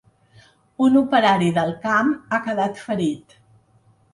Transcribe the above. Un operari del camp ha quedat ferit.